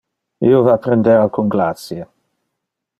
Io va a prender alcun glacie.